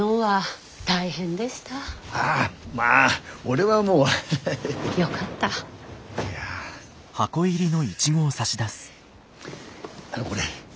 あのこれ。